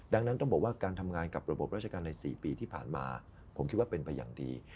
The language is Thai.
ดังนั้นต้องบอกว่าการทำงานกับระบบราชการใน๔ปีที่ผ่านมาผมคิดว่าเป็นไปอย่างดี